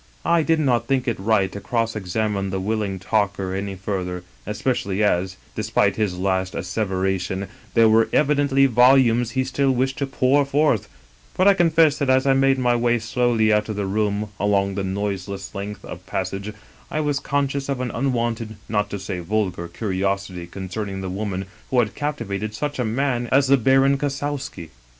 I did not think it right to cross examine the willing talker any further, especially as, despite his last asseveration, there were evidently volumes he still wished to pour forth ; but I confess that, as I made my way slowly out of my room along the noiseless length of passage, I was conscious of , an unwonted, not to say vulgar, curiosity concerning the woman who had captivated such a man as the Baron Kos sowski.